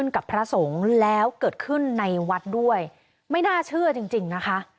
กับพระสงฆ์แล้วเกิดขึ้นในวัดด้วยไม่น่าเชื่อจริงจริงนะคะ